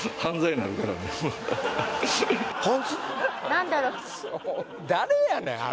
何だろう